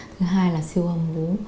thứ hai là siêu âm vú